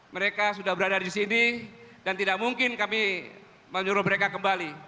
mereka sudah berada di sini dan tidak mungkin kami menyuruh mereka kembali